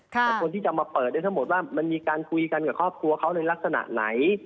แต่คนที่จะมาเปิดได้ทั้งหมดว่ามันมีการคุยกันกับครอบครัวเขาในลักษณะไหน